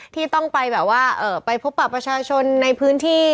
ที่ต้องไปแบบว่าไปพบปรับประชาชนในพื้นที่